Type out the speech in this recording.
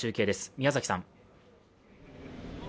宮嵜さん。